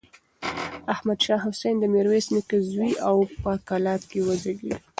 احمد شاه حسين د ميرويس نيکه زوی و او په کلات کې وزېږېد.